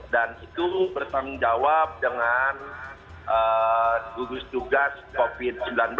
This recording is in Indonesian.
dan itu bertanggung jawab dengan gugus tugas covid sembilan belas